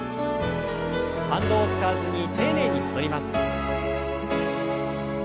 反動を使わずに丁寧に戻ります。